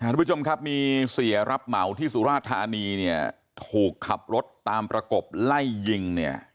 ทุกผู้ชมครับมีเสียรับเหมาที่สุราธานีเนี่ยถูกขับรถตามประกบไล่ยิงเนี่ย